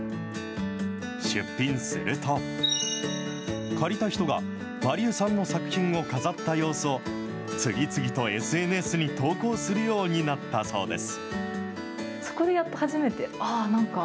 出品すると、借りた人が、マリエさんの作品を飾った様子を、次々とＳＮＳに投稿するようになったそうです。